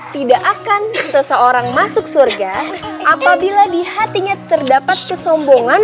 tidak akan seseorang masuk surga apabila di hatinya terdapat kesombongan